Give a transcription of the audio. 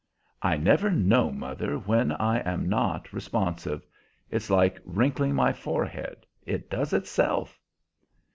"I never know, mother, when I am not responsive. It's like wrinkling my forehead; it does itself."